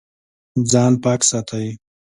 ځان پاک ساتئ